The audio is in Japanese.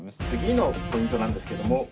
次のポイントなんですけども。